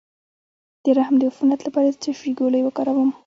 د رحم د عفونت لپاره د څه شي ګولۍ وکاروم؟